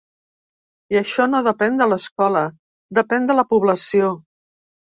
I això no depèn de l’escola, depèn de la població.